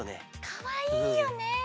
かわいいよねえ！